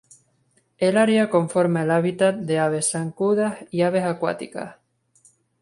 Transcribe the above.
El área conforma el hábitat de aves zancudas y aves acuáticas.